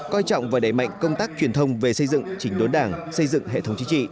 coi trọng và đẩy mạnh công tác truyền thông về xây dựng chỉnh đốn đảng xây dựng hệ thống chính trị